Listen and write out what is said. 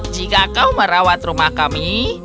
jika kau merawat rumah kami